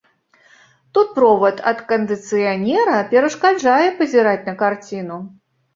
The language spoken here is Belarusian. Тут провад ад кандыцыянера перашкаджае пазіраць на карціну.